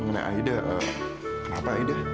mengenai aida kenapa aida